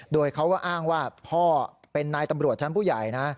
โดยเขาก็อ้างว่าพ่อเป็นนายตำรวจชั้นผู้ใหญ่นะ